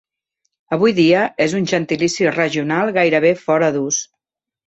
Avui dia és un gentilici regional gairebé fora d'ús.